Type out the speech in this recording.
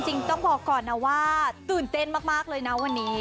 ต้องบอกก่อนนะว่าตื่นเต้นมากเลยนะวันนี้